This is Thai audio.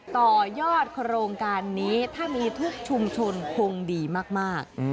ต่อยอดโครงการนี้ถ้ามีทุกชุมชนคงดีมาก